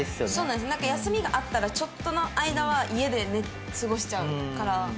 なんか休みがあったらちょっとの間は家で過ごしちゃうから。